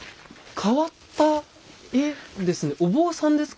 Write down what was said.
変わった絵ですね。